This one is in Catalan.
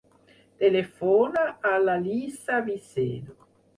Telefona a l'Alice Vicedo.